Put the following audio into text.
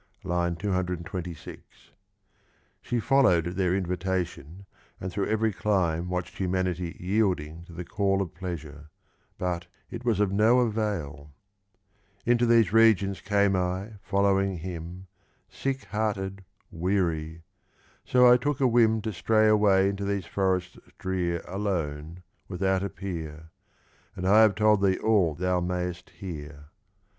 (IV. 226) She followed at their invitation, and through every clime watched humanity yielding to the call of pleasure; but it was of no avail : Into these regions came 1 following him, Sick hearted, weary — so I took a whim To stray away into these forests drear Alone, without a peer : And I have told thee all thou mayest hear.